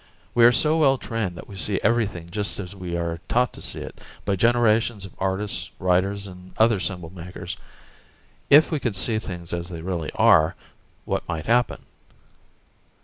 We are so well trained that we see everything just as we are taught to see it by generations of artists, writers, and other symbol makers. If we could see things as they really are, what might happen?"